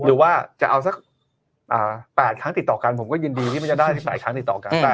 หรือว่าจะเอาสัก๘ครั้งติดต่อกันผมก็ยินดีที่มันจะได้๑๘ครั้งติดต่อกัน